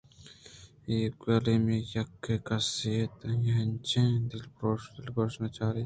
ایوک ایمیلیا یکیں کس اَت کہ آئی ءَ انجن پہ دلگوشی نہ چاراِت